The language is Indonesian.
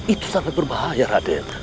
itu sangat berbahaya raden